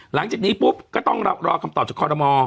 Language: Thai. หลังจากนี้ปุ๊บก็ต้องรอคำตอบจากคอรมอล